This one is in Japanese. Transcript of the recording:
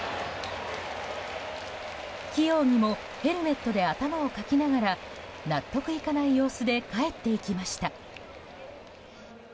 器用にもヘルメットで頭をかきながら納得いかない様子で帰っていきました。